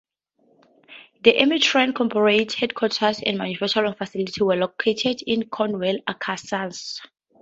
The AmTran corporate headquarters and manufacturing facilities were located in Conway, Arkansas.